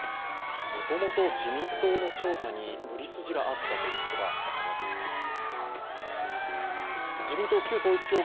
もともと自民党の調査に無理筋があったことが分かります。